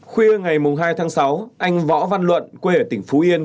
khuya ngày hai tháng sáu anh võ văn luận quê ở tỉnh phú yên